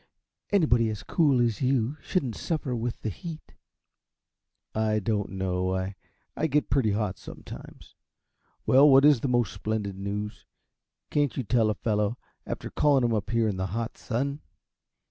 Anybody as cool as you are shouldn't suffer with the heat." "I don't know I get pretty hot, sometimes. Well, what is the most splendid news? Can't you tell a fellow, after calling him up here in the hot sun?"